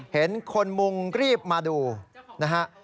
เห็นคนมุงรีบมาดูนะฮะ